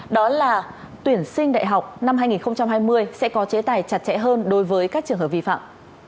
đó là tuyển sinh đại học năm hai nghìn hai mươi sẽ có chế tài chặt chẽ hơn đối với các trường hợp vi phạm